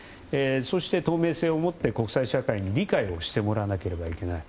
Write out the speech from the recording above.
そして、透明性を持って国際社会に理解をしてもらわなければならない。